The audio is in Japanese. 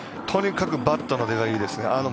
とにかくバットの出がいいですね。